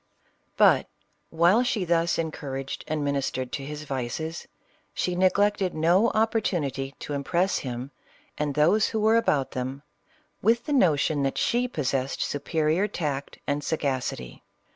But while she thus encouraged and ministered to his vices, she neglected no opportunity to impress him, and those who were about them, with the notion that she possessed superior tact and sagacity.